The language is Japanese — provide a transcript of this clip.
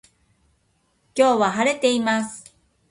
今日は晴れています